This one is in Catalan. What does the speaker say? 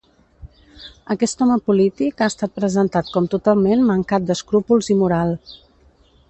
Aquest home polític ha estat presentat com totalment mancat d'escrúpols i moral.